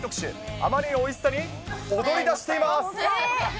あまりのおいしさに、踊りだしています。